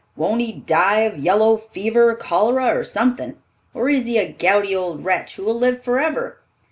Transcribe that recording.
Won't he die of yellow fever, cholera or something? Or is he a gouty old wretch, who will live forever?"